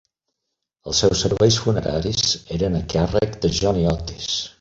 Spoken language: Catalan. Els seus serveis funeraris eren a càrrec de Johnny Otis.